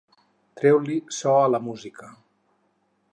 Treu-li so a la música.